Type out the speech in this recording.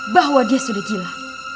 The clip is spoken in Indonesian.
bahwa dia sudah gila